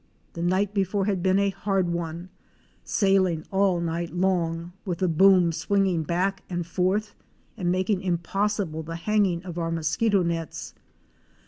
The night before had been a hard one — sailing all night long, with the boom swinging back and forth and making impossible the hanging of our mosquito nets.